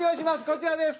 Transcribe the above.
こちらです。